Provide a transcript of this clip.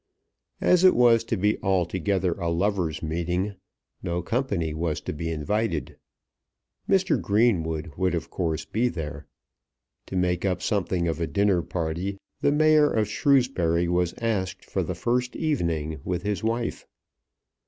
As it was to be altogether a lover's meeting, no company was to be invited. Mr. Greenwood would, of course, be there. To make up something of a dinner party, the Mayor of Shrewsbury was asked for the first evening, with his wife.